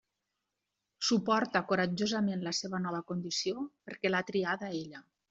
Suporta coratjosament la seva nova condició, perquè l'ha triada ella.